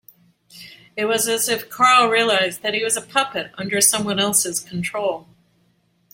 It was as if Carl realised that he was a puppet under someone else's control.